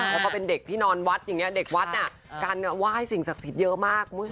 แล้วก็เป็นเด็กที่นอนวัดอย่างนี้เด็กวัดน่ะกันไหว้สิ่งศักดิ์สิทธิ์เยอะมากคุณผู้ชม